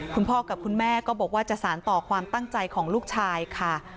คุณพ่อกับคุณแม่ก็บอกว่าจะสารต่อความตั้งใจของลูกชายค่ะ